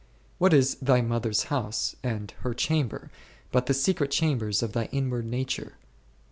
What is thy mother s house, and her chamber, but the secret chambers of thy inward nature